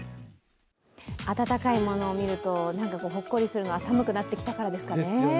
温かいものを見ると、何だかホッコリするのは寒くなってきたからですかね？